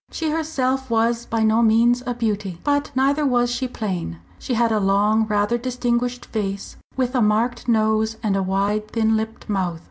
She herself was by no means a beauty. But neither was she plain. She had a long, rather distinguished face, with a marked nose and a wide thin lipped mouth.